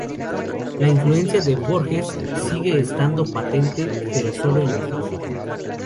La influencia de Borges sigue estando patente, pero solo en el fondo.